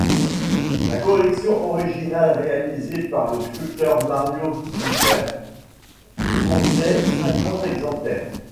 La collection originale, réalisée par le sculpteur Mario Stuffer, comptait cinquante exemplaires.